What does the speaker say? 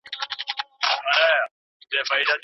هم په غره هم په ځنګله کي وو ښاغلی